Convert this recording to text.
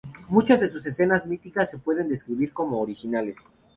Muchas de sus escenas míticas se pueden describir como originales.